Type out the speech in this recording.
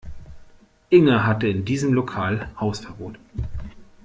Inge hatte in diesem Lokal Hausverbot